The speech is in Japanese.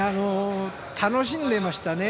楽しんでいましたね。